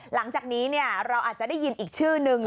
หลังจากนี้เราอาจจะได้ยินอีกชื่อนึง